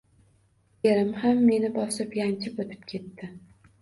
Erim ham meni bosib, yanchib o`tib ketdi